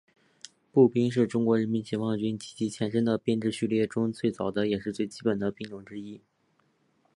步兵是中国人民解放军及其前身的编制序列中最早的也是最基本的兵种之一。